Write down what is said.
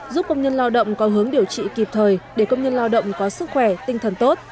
giúp công nhân lao động có hướng điều trị kịp thời để công nhân lao động có sức khỏe tinh thần tốt